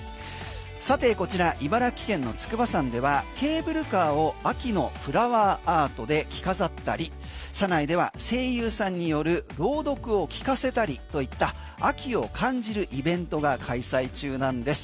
さてこちら茨城県の筑波山ではケーブルカーを秋のフラワーアートで着飾ったり車内では声優さんによる朗読を聞かせたりといった秋を感じるイベントが開催中なんです。